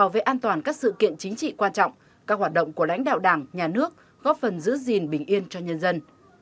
về an toàn các sự kiện chính trị quan trọng các hoạt động của lãnh đạo đảng nhà nước góp phần giữ gìn bình yên cho nhân dân